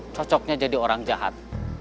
cocoknya jadi orang jahat